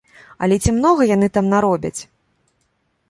Але ці многа яны там наробяць?